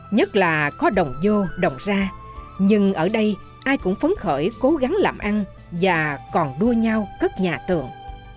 nhất là có đồng vô đồng ra nhưng ở đây ai cũng phấn khởi cố gắng làm ăn và còn đua nhau cất nhà tượng